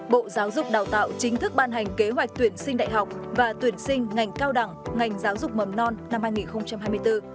bộ giáo dục đào tạo chính thức ban hành kế hoạch tuyển sinh đại học và tuyển sinh ngành cao đẳng ngành giáo dục mầm non năm hai nghìn hai mươi bốn